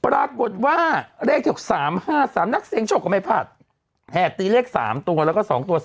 ปรากฏว่าเลข๓๕๓นักเสียงชกก็ไม่ผลัดแหดตีเลขสามตัวแล้วก็สองตัว